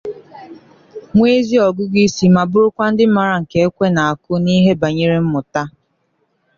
nwee ezi ọgụgụisi ma bụrụkwa ndị maara nke ekwe na-akụ n'ihe bànyere mmụta.